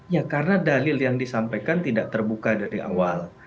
ya karena dalil yang disampaikan tidak terbuka dari awal